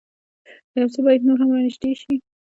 يو څه بايد نور هم را نېږدې شي.